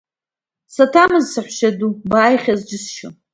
Саҭамыз, саҳәшьаду, бааихьаз џьысшьон…